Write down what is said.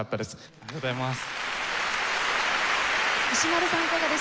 ありがとうございます。